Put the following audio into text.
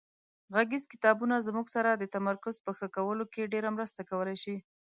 غږیز کتابونه زموږ سره د تمرکز په ښه کولو کې ډېره مرسته کولای شي.